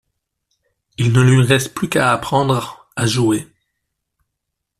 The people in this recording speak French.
Il ne lui reste plus qu’à apprendre à jouer.